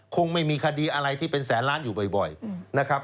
คงไม่มีคดีอะไรที่เป็นแสนล้านอยู่บ่อยนะครับ